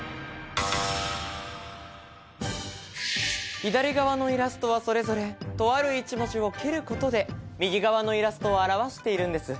左側のイラストはそれぞれ左側の文字を蹴ることで右側のイラストを表しているんです。